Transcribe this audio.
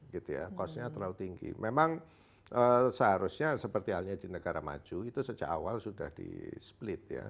gitu ya cost nya terlalu tinggi memang seharusnya seperti halnya di negara maju itu sejak awal sudah di split ya